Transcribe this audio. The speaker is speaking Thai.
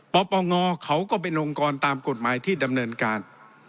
ปปงเขาก็เป็นองค์กรตามกฎหมายที่ดำเนินการ